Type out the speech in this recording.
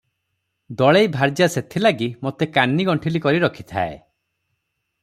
ଦଳେଇ ଭାର୍ଯ୍ୟା ସେଥିଲାଗି ମୋତେ କାନିଗଣ୍ଠିଲି କରି ରଖିଥାଏ ।